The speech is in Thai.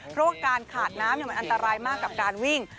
เพราะว่าการขาดน้ำมันอันตรายมากกับการวิ่ง